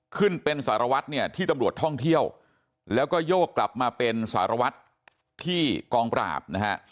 ขึ้นเป็นสารวัตรเนี่ยที่ตำรวจท่องเที่ยวแล้วก็โยกกลับมาเป็นสารวัตรที่กองปราบนะฮะ